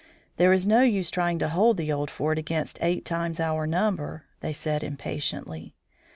"There is no use trying to hold the old fort against eight times our number," they said impatiently.